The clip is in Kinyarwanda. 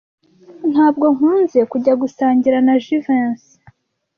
Ntabwo nkunze kujya gusangira na Jivency.